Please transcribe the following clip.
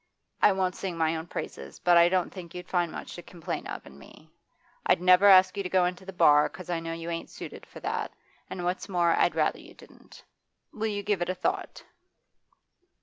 I won't sing my own praises, but I don't think you'd find much to complain of in me. I'd never ask you to go into the bar, 'cause I know you ain't suited for that, and, what's more, I'd rather you didn't. Will you give it a thought?